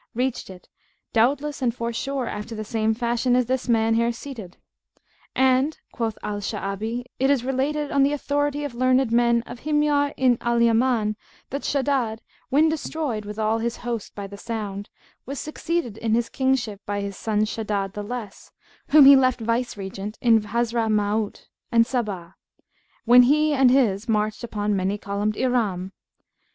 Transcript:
reached it, doubtless and forsure after the same fashion as this man here seated." "And (quoth Al Sha'abi[FN#172]) it is related, on the authority of learned men of Himyar in Al Yaman that Shaddad, when destroyed with all his host by the sound, was succeeded in his Kingship by his son Shaddad the Less, whom he left vice regent in Hazramaut[FN#173] and Saba, when he and his marched upon Many columned Iram.